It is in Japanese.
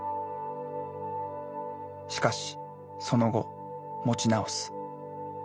しかしその後持ち直す。